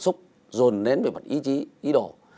sự dồn nén về mặt ý chí ý đồ